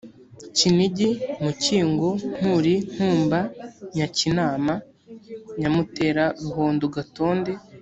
kinigi mukingo nkuli nkumba nyakinama nyamutera ruhondo gatonde